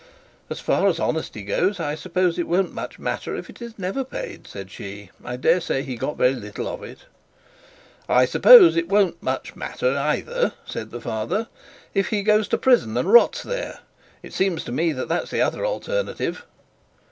'As far as honesty goes, I suppose it won't much matter if it is never paid,' said she. 'I dare say he got very little of it.' 'I suppose it won't much matter either,' said the father, 'if he goes to prison and rots there. It seems to me that that's the other alternative.'